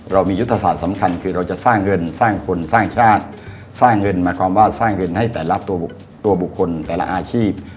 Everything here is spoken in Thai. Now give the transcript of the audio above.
เรามียุทธศาสตร์สำคัญคือเราจะสร้างเงินสร้างคนสร้างชาติสร้างเงินหมายความว่าสร้างเงินให้แต่ละตัวบุคคลแต่ละอาชีพ